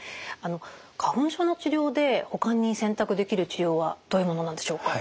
花粉症の治療でほかに選択できる治療はどういうものなんでしょうか？